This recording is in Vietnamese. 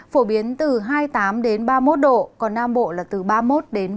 phổ biến từ hai mươi tám ba mươi một độ còn nam bộ là từ ba mươi một ba mươi bốn độ